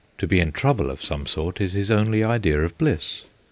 To be in trouble of some sort is his only idea of bliss.